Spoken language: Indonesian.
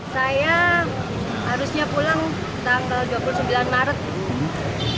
saya harusnya pulang tanggal dua puluh sembilan maret